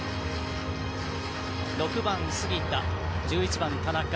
６番杉田、１１番、田中。